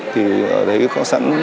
thì ở đấy có sẵn đủ thiết bị